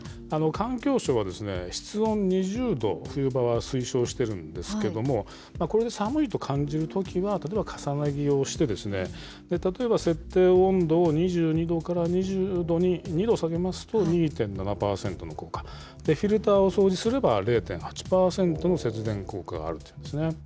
環境省は、室温２０℃、冬場は推奨しているんですけれども、これで寒いと感じるときは、例えば重ね着をして、例えば、設定温度を２２度から２０度に２度下げますと、２．７％の効果、フィルターを掃除すれば、０．８％の節電効果があるというんですね。